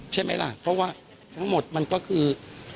ใช่ไหมล่ะเพราะว่าทั้งหมดมันก็คือ